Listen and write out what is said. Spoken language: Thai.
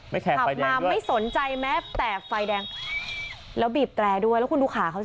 ไม่แครไฟแดงด้วยสนใจแม้แต่ไฟแดงแล้วบีบแปลด้วยแล้วคุณดูขาเขาสิ